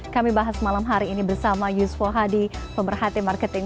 kami bahas malam hari ini bersama yuswo hadi pemerhati marketing